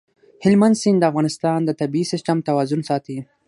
هلمند سیند د افغانستان د طبعي سیسټم توازن ساتي.